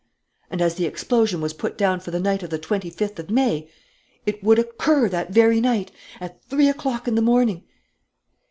And, as the explosion was put down for the night of the twenty fifth of May, it would occur that very night, at three o'clock in the morning!